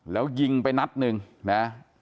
แล้วยิงไปนัดหนึ่งนะ